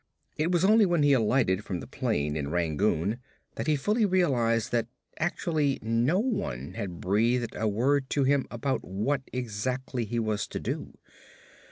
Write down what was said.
It was only when he alighted from the plane in Rangoon that he fully realized that actually no one had breathed a word to him about what exactly he was to do.